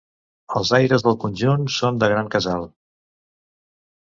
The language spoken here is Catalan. Els aires del conjunt són de gran casal.